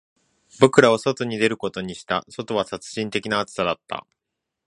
僕らは外に出ることにした、外は殺人的な暑さだった